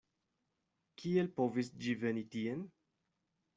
Kiel povis ĝi veni tien?